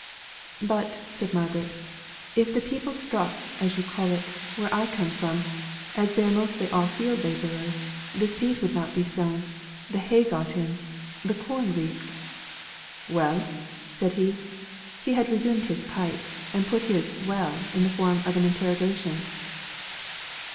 "But," said Margaret, "if the people struck, as you call it, where I come from, as they are mostly all field labourers, the seed would not be sown, the hay got in, the corn reaped." "Well?" said he. He had resumed his pipe, and put his "well" in the form of an interrogation.